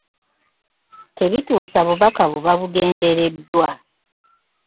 Tebituusa bubaka buba bugendereddwa.